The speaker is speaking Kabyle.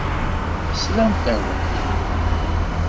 Slant-awen.